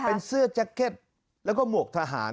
เป็นเสื้อแจ็คเก็ตแล้วก็หมวกทหาร